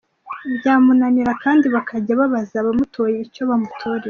Byamunanira kandi bakajya babaza abamutoye icyo bamutoreye.